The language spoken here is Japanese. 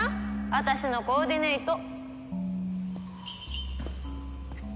私のコーディネート。